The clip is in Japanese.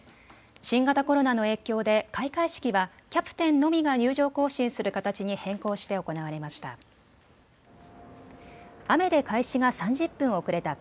新型コロナの影響で開会式はキャプテンのみが入場行進する形に変更して行われました。